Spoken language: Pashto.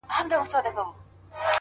داسي قبـاله مي په وجـود كي ده ـ